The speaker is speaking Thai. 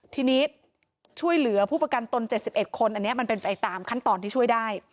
ทีนี้ช่วยเหลือผู้ประกันตน๗๑คนอันนี้มันเป็นไปตามขั้นตอนที่ช่วยได้